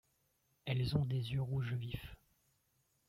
Elles ont des yeux rouge vif.